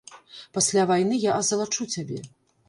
Пасля вайны я азалачу цябе.